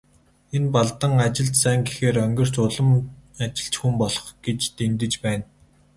Энэ Балдан ажилд сайн гэхээр онгирч, улам ажилч хүн болох гэж дэндэж байна.